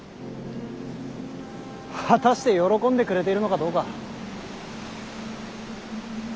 果たして喜んでくれているのかどうか。